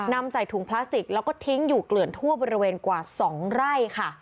ใส่ถุงพลาสติกแล้วก็ทิ้งอยู่เกลื่อนทั่วบริเวณกว่า๒ไร่ค่ะ